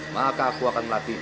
maka aku akan melatihmu